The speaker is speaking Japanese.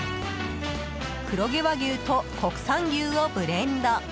黒毛和牛と国産牛をブレンド。